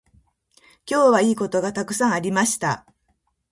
今日はいいことがたくさんありました。